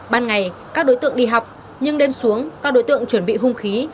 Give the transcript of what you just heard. ban ngày các đối tượng đi học nhưng đêm xuống các đối tượng chuẩn bị hung khí